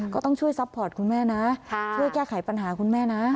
ก็ต้องช่วยซัพพอร์ตคุณแม่นะช่วยแก้ไขปัญหาคุณแม่นะ